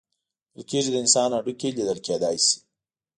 ویل کیږي د انسان هډوکي لیدل کیدی شي.